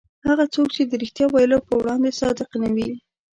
هغه څوک چې د رښتیا ویلو په وړاندې صادق نه وي.